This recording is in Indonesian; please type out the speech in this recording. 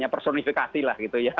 personifikasi lah gitu ya